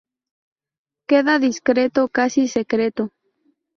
Queda discreto, casi secreto.